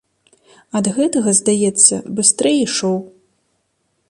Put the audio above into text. Ад гэтага, здаецца, быстрэй ішоў.